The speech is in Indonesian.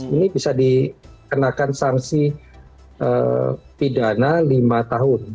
ini bisa dikenakan sanksi pidana lima tahun